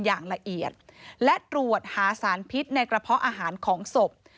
อย่างละเอียดและตรวจหาสารพิษในกระเพาะอาหารของศพ